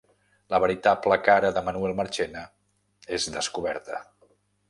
La veritable cara de Manuel Marchena és descoberta